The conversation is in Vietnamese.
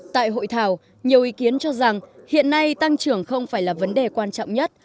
tại hội thảo nhiều ý kiến cho rằng hiện nay tăng trưởng không phải là vấn đề quan trọng nhất